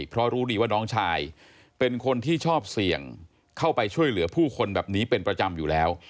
เพราะรู้ดีว่าน้องชายเป็นคนที่ชอบเสี่ยงเข้าไปช่วยเหลือผู้คนแบบนี้เป็นประจำอยู่แล้ว